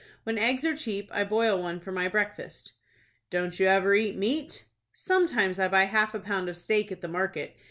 When eggs are cheap, I boil one for my breakfast." "Don't you ever eat meat?" "Sometimes I buy half a pound of steak at the market.